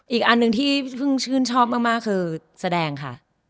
อีกอันหนึ่งที่เพิ่งชื่นชอบมากคือแสดงค่ะ